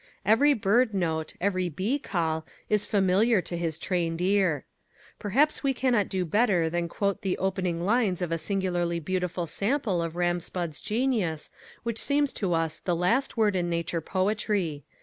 Every bird note, every bee call, is familiar to his trained ear. Perhaps we cannot do better than quote the opening lines of a singularly beautiful sample of Ram Spudd's genius which seems to us the last word in nature poetry.